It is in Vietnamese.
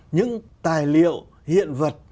những tài liệu hiện vật